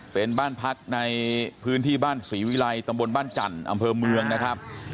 เป็นบ้านพักในพื้นที่บ้านศรีวิลัยตำบลบ้านจันทร์อำเภอเมืองนะครับ